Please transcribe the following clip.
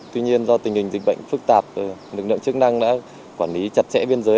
tuy nhiên do tình hình dịch bệnh phức tạp lực lượng chức năng đã quản lý chặt chẽ biên giới